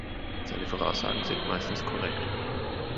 Seine Voraussagen sind meistens korrekt.